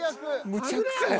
むちゃくちゃや。